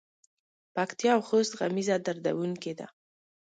پکتیکا او خوست غمیزه دردوونکې ده.